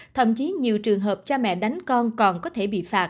thậm chí nhiều trường hợp cha mẹ đánh con còn có thể bị phạt